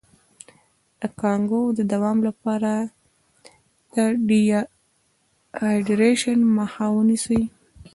د کانګو د دوام لپاره د ډیهایډریشن مخه ونیسئ